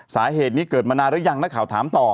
สาเหตุนี้เกิดมานานหรือยังนักข่าวถามต่อ